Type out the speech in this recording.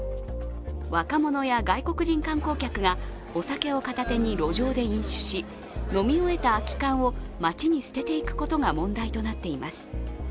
若者や外国人観光客がお酒を片手に路上で飲酒し飲み終えた空き缶を街に捨てていくことが問題となっています。